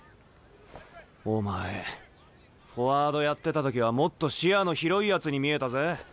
お前フォワードやってた時はもっと視野の広いやつに見えたぜ。